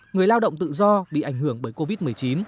người lao động tự do bị ảnh hưởng bởi covid một mươi chín